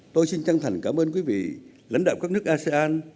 tôi xin chân thành cảm ơn quý vị lãnh đạo các nước asean